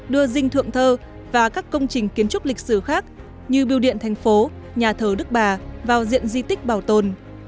đưa dinh thượng thơ và các công trình kiến trúc lịch sử khác như biêu điện thành phố nhà thờ đức bà vào diện di tích bảo tồn